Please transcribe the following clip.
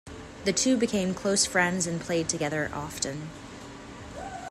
The two became close friends and played together often.